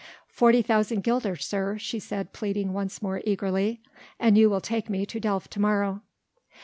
"Forty thousand guilders, sir," she said pleading once more eagerly, "an you will take me to Delft to morrow."